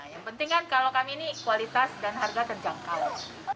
yang penting kan kalau kami ini kualitas dan harga terjangkau